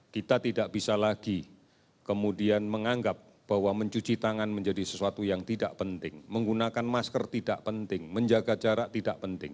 kita tidak bisa lagi kemudian menganggap permasalahan ini adalah hal yang tidak perlu